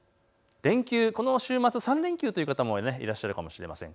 連休、この週末、３連休という方もいらっしゃるかもしれません。